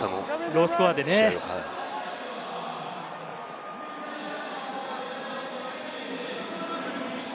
ロースコアでしたよね。